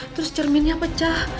terus cerminnya pecah